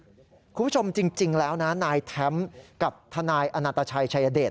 คุณผู้ชมจริงแล้วนะนายแท้มกับทนายอนาตชัยชายเดช